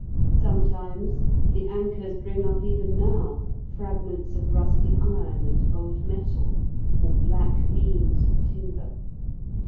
Sometimes the anchors bring up even now fragments of rusty iron and old metal, or black beams of timber.